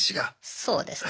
そうですね。